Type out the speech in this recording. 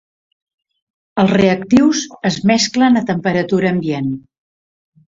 Els reactius es mesclen a temperatura ambient.